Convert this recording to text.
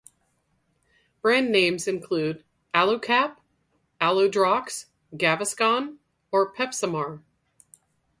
Brand names include Alu-Cap, Aludrox, Gaviscon or Pepsamar.